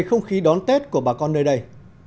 không khí đón tết của bà con nơi đây